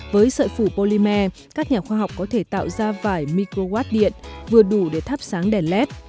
với sợi phủ polymer các nhà khoa học có thể tạo ra vải microwat điện vừa đủ để thắp sáng đèn led